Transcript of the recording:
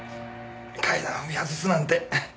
階段を踏み外すなんて。